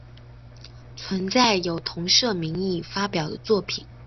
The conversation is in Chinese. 存在有同社名义发表的作品。